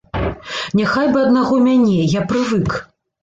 Няхай бы аднаго мяне, я прывык.